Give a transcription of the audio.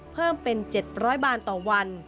เพิ่มเป็น๗๐๐บาทต่อวัน